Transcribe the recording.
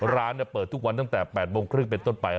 ร้านเปิดทุกวันตั้งแต่๘โมงครึ่งเป็นต้นไป